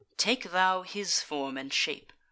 Take thou his form and shape.